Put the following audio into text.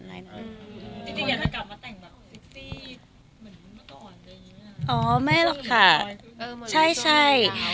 ติดเดียเรากลับมาแต่งแบบอิตตี้